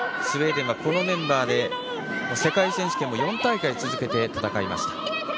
スウェーデンはこのメンバーで世界選手権を４大会続けて戦いました。